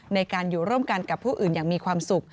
ในการอยู่ร่วมกันกับผู้อื่นอย่างมีความสุข